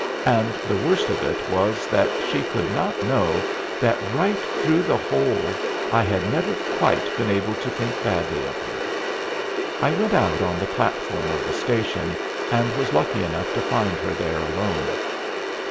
And the worst of it was that she could not know that right through the whole I had never quite been able to think badly of her. I went out on the platform of the station, and was lucky enough to find her there alone.